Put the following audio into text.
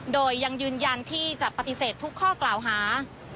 โดยยังยืนยันที่จะปฏิเสธทุกข้อกล่าวหา